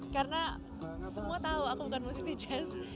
karena semua tahu aku bukan musisi jazz